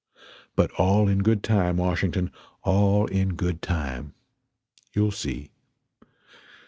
But all in good time, Washington, all in good time. You'll see.